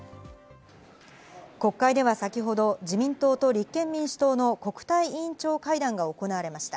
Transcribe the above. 国会では先ほど、自民党と立憲民主党の国対委員長会談が行われました。